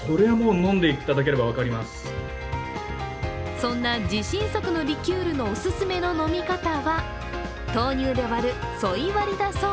そんな自信作のリキュールのおすすめの飲み方は豆乳で割るソイ割だそう。